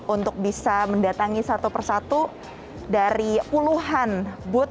untuk bisa mendatangi satu persatu dari puluhan booth atau instalasi yang ada